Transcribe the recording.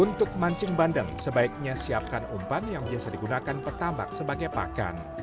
untuk mancing bandeng sebaiknya siapkan umpan yang biasa digunakan petambak sebagai pakan